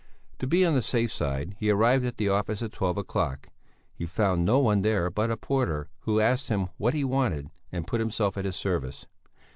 To be on the safe side, he arrived at the office at twelve o'clock; he found no one there but a porter, who asked him what he wanted and put himself at his service.